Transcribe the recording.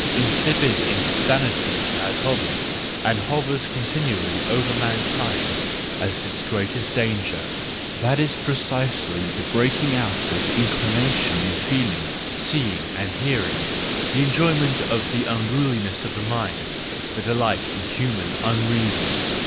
Incipient insanity has hovered, and hovers continually over mankind as its greatest danger: that is precisely the breaking out of in¬ clination in feeling, seeing, and hearing ; the enjoy¬ ment of the unruliness of the mind ; the delight in human unreason.